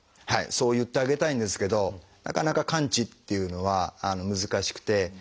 そう言ってあげたいんですけどなかなか完治っていうのは難しくて。